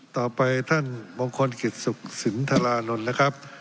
ต่อไปท่านมงคลกิจสุขสินทรานนท์นะครับ